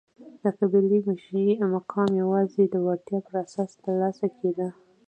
د قبیلې مشرۍ مقام یوازې د وړتیا پر اساس ترلاسه کېده.